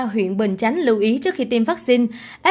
huyện bình chánh lưu ý trước khi tiêm vaccine